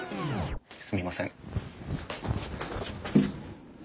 すみません。